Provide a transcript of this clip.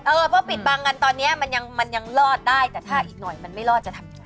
เพราะปิดบังกันตอนนี้มันยังมันยังรอดได้แต่ถ้าอีกหน่อยมันไม่รอดจะทำยังไง